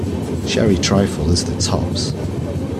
Sherry trifle is the tops!